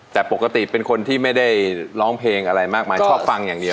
แต่ปกติเป็นคนที่ไม่ได้ร้องเพลงอะไรมากมายชอบฟังอย่างเดียว